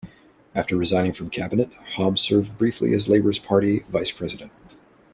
After resigning from Cabinet, Hobbs served briefly as Labour's party Vice-President.